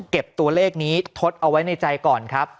ตัวเลขนี้ทดเอาไว้ในใจก่อนครับ